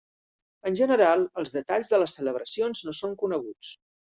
En general els detalls de les celebracions no són coneguts.